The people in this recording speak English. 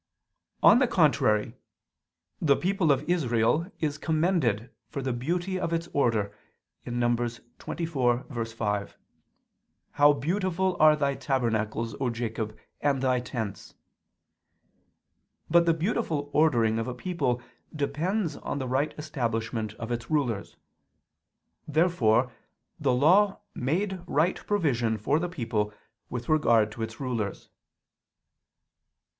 On the contrary, The people of Israel is commended for the beauty of its order (Num. 24:5): "How beautiful are thy tabernacles, O Jacob, and thy tents." But the beautiful ordering of a people depends on the right establishment of its rulers. Therefore the Law made right provision for the people with regard to its rulers.